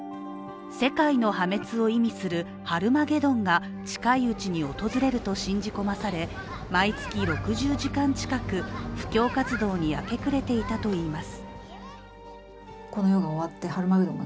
世界の破滅を意味するハルマゲドンが近いうちに訪れると信じ込まされ毎月６０時間近く、布教活動に明け暮れていたといいます。